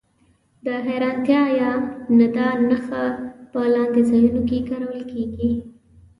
د حېرانتیا یا ندا نښه په لاندې ځایونو کې کارول کیږي.